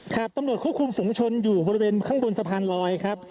ครับตำรวจควบคุมฝุงชนอยู่บริเวณข้างบนสะพานลอยครับ